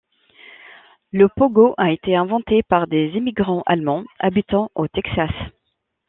Le pogo a été inventé par des immigrants allemands habitant au Texas.